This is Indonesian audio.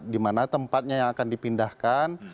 dimana tempatnya yang akan dipindahkan